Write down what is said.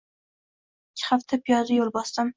Ikki hafta piyoda yo`l bosdim